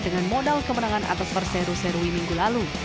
dengan modal kemenangan atas perseru serui minggu lalu